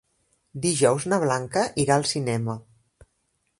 Dijous na Blanca irà al cinema.